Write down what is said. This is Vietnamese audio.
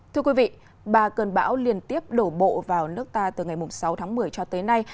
thưa quý vị ba cơn bão liên tiếp đổ bộ vào nước ta từ ngày sáu tháng một mươi cho tới nay